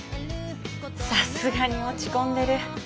さすがに落ち込んでる。